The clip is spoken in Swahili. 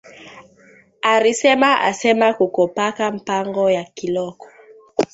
Arisema asema kuko paka mpango ya kiloko